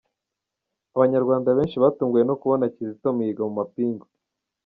Abanyarwanda benshi batunguwe no kubona Kizito Mihigo mu mapingu.